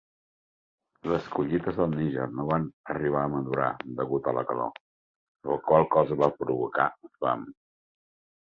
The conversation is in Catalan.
Les collites del Níger no van arribar a madurar degut a la calor, la qual cosa va provocar fam.